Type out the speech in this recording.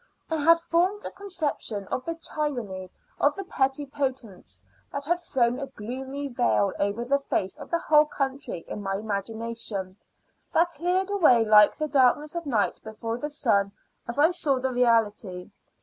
I had formed a conception of the tyranny of the petty potentates that had thrown a gloomy veil over the face of the whole country in my imagination, that cleared away like the darkness of night before the sun as I saw the reality.